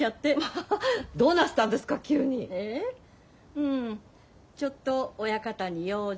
うんちょっと親方に用事。